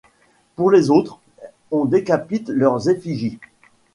Pour les autres, on décapite leurs effigies.